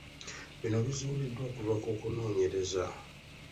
Bino bizuuliddwa okuva mu kunoonyereza.